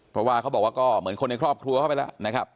เพราะว่าเขาบอกว่าก็เหมือนคนในครอบครัวเข้าไปแล้วนะครับ